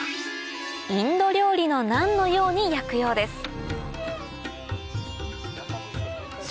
インド料理のナンのように焼くようです